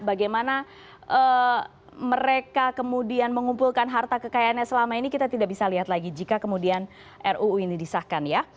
bagaimana mereka kemudian mengumpulkan harta kekayaannya selama ini kita tidak bisa lihat lagi jika kemudian ruu ini disahkan ya